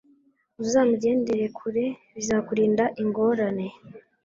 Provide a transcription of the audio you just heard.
uzamugendere kure, bizakurinda ingorane